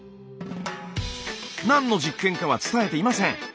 何の実験かは伝えていません。